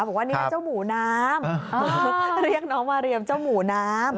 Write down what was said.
บอกว่านี่เจ้าหมูน้ำเรียกน้องมาเรียมเจ้าหมูน้ำ